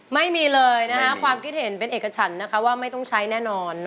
ไม่มีเลยนะคะความคิดเห็นเป็นเอกฉันนะคะว่าไม่ต้องใช้แน่นอน